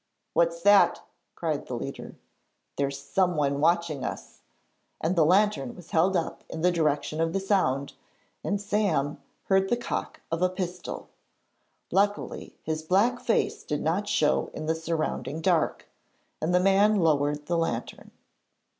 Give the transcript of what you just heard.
'What's that?' cried the leader. 'There's someone watching us,' and the lantern was held up in the direction of the sound and Sam heard the cock of a pistol. Luckily his black face did not show in the surrounding dark, and the man lowered the lantern.